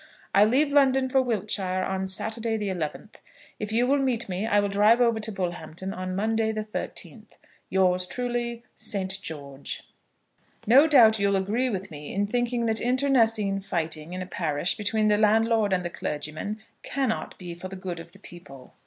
I leave London for Wiltshire on Saturday the 11th. If you will meet me I will drive over to Bullhampton on Monday the 13th. Yours truly, ST. GEORGE. No doubt you'll agree with me in thinking that internecine fighting in a parish between the landlord and the clergyman cannot be for the good of the people.